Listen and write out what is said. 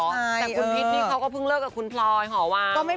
แต่คุณพิษนี่เขาก็เพิ่งเลิกกับคุณพลอยหอวัง